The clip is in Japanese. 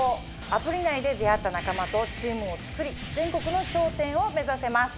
アプリ内で出会った仲間とチームを作り全国の頂点を目指せます。